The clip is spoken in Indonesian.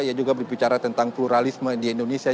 ia juga berbicara tentang pluralisme di indonesia